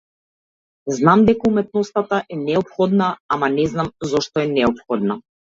Знам дека уметноста е неопходна, ама не знам зошто е неопходна.